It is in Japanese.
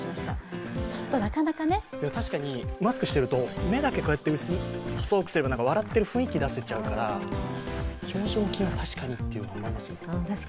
確かにマスクしてると目だけ細くして笑っている雰囲気出せちゃうから、表情筋は確かにという感じしますね。